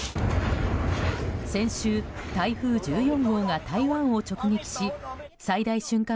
先週、台風１４号が台湾を直撃し最大瞬間